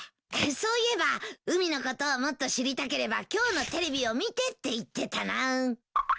そういえば「海のことをもっと知りたければ今日のテレビを見て」って言ってたな。